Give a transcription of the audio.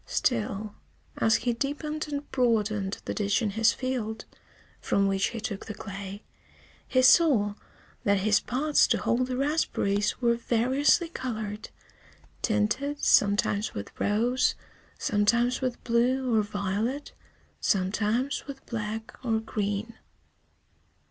Still, as he deepened and broadened the ditch in his field, from which he took the clay, he saw that his pots to hold the raspberries were variously colored, tinted sometimes with rose, sometimes with blue or violet, sometimes with black or green.